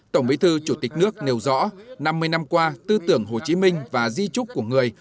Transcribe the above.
tổng bí thư chủ tịch nước nêu rõ năm mươi năm qua tư tưởng hồ chí minh và di trúc của người